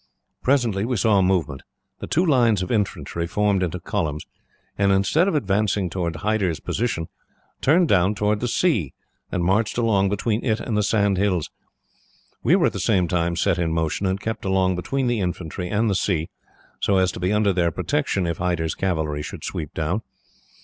"Presently, we saw a movement. The two lines of infantry formed into columns, and instead of advancing towards Hyder's position, turned down towards the sea, and marched along between it and the sand hills. We were at the same time set in motion, and kept along between the infantry and the sea, so as to be under their protection, if Hyder's cavalry should sweep down.